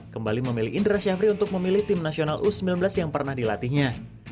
kembali memilih indra syafri untuk memilih tim nasional u sembilan belas yang pernah dilatihnya